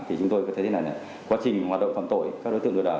thì chúng tôi có thể thấy là quá trình hoạt động phạm tội các đối tượng lừa đảo